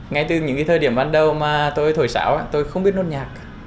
ngay từ những thời điểm ban đầu mà tôi thổi sáo tôi không biết nốt nhạc